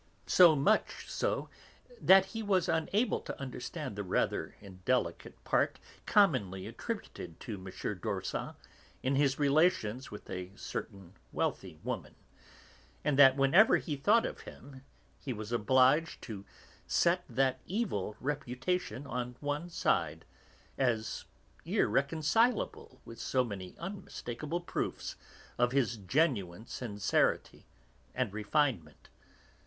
So much so that he was unable to understand the rather indelicate part commonly attributed to M. d'Orsan in his relations with a certain wealthy woman, and that whenever he thought of him he was obliged to set that evil reputation on one side, as irreconcilable with so many unmistakable proofs of his genuine sincerity and refinement.